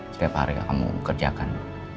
setiap hari kamu kerjakan